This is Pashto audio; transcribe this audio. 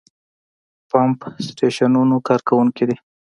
پمپ سټېشنونو کارکوونکي دي.